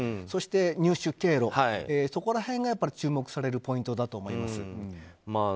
そして入手経路、そこら辺が注目されるポイントだと思います。